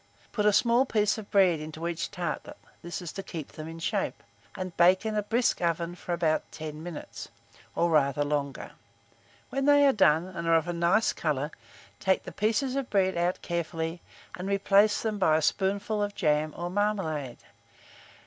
Put a small piece of bread into each tartlet (this is to keep them in shape), and bake in a brisk oven for about 10 minutes, or rather longer. When they are done, and are of a nice colour, take the pieces of bread out carefully, and replace them by a spoonful of jam or marmalade.